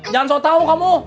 jangan so tau kamu